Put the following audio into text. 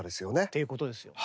ということですよね。